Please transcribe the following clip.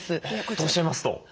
とおっしゃいますと？